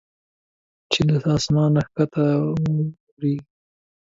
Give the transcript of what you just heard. چې له اسمانه کښته اوریږي